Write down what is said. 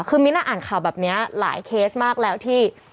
คือมิ้นอ่านข่าวแบบนี้หลายเคสมากแล้วที่